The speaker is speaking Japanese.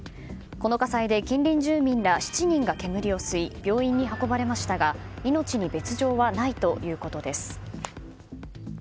この火災で近隣住民ら７人が煙を吸い病院に運ばれましたが命に別条ははないということです。